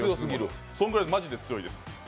そのぐらいマジで強いです。